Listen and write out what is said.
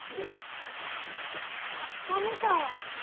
ラッパみたい。